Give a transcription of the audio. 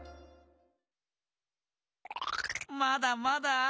まだまだ。